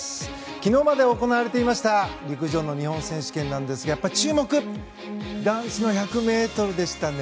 昨日まで行われていました陸上の日本選手権ですが、注目は男子の１００ｍでしたね。